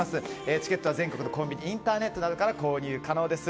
チケットは全国のコンビニインターネットから購入可能です。